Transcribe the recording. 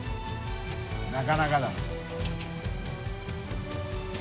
なかなかだね。